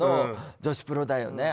女子プロだよね